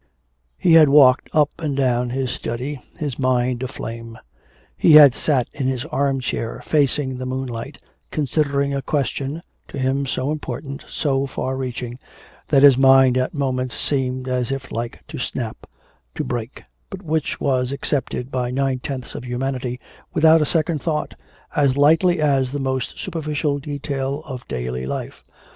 He had walked up and down his study, his mind aflame; he had sat in his arm chair, facing the moonlight, considering a question, to him so important, so far reaching, that his mind at moments seemed as if like to snap, to break, but which was accepted by nine tenths of humanity without a second thought, as lightly as the most superficial detail of daily life.